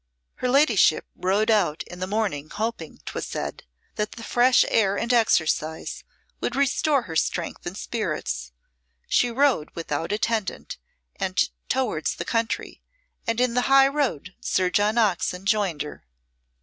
Her ladyship rode out in the morning hoping, 'twas said, that the fresh air and exercise would restore her strength and spirits. She rode without attendant, and towards the country, and in the high road Sir John Oxon joined her.